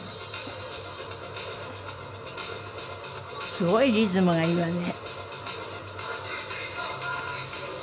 すごいリズムがいいわね。